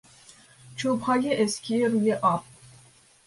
چوبهای اسکی روی آب